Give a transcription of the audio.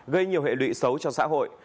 gây nhiều hệ lụy xấu cho xã hội